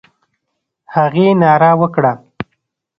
هغې ناره وکړه: